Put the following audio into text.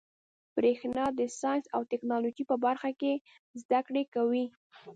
برېښنا د ساینس او ټيکنالوجۍ په برخه کي زده کړي کوي.